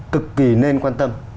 cực kỳ nên quan tâm